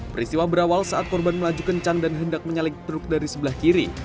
peristiwa berawal saat korban melaju kencang dan hendak menyalik truk dari sebelah kiri